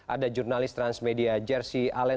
ada jurnalis transmedia jersi alen